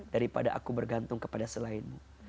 daripada aku bergantung kepada selainmu